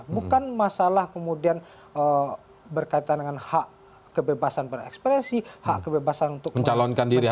bukan masalah kemudian berkaitan dengan hak kebebasan berekspresi hak kebebasan untuk mencalonkan diri